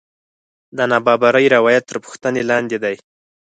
د نابرابرۍ روایت تر پوښتنې لاندې دی.